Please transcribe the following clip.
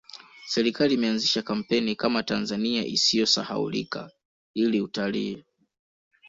serikali imeanzisha kampeni Kama tanzania isiyo sahaulika ili utalii